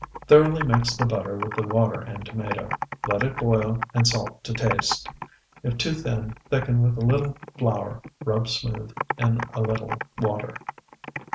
Thoroughly mix the butter with the water and tomato. Let it boil, and salt to taste. If too thin, thicken with a little flour rubbed smooth in a little water.